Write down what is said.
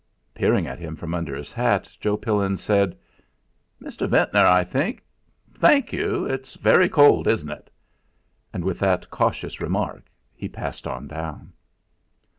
Peering at him from under his hat, Joe Pillin said: "Mr. Ventnor, I think? Thank you! It's very cold, isn't it?" And, with that cautious remark, he passed on down.